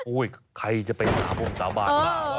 อู้ยใครจะไปสาบงสาบานมาก